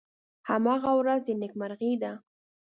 هماغه ورځ د نیکمرغۍ ده .